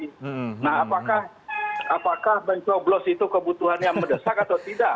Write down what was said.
nah apakah apakah bank coblos itu kebutuhan yang mendesak atau tidak